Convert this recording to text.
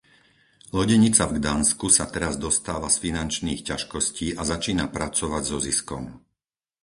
Lodenica v Gdansku sa teraz dostáva z finančných ťažkostí a začína pracovať so ziskom.